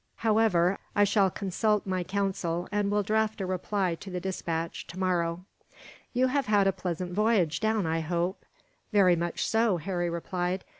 However, I shall consult my council, and will draft a reply to the despatch, tomorrow. "You have had a pleasant voyage down, I hope?" "Very much so," Harry replied.